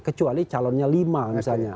kecuali calonnya lima misalnya